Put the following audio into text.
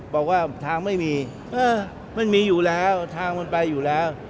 บอกว่าทางไม่มีมันมีอยู่แล้วทางมันไปอยู่แล้ว